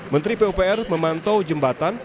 menteri pupr memantau jembatan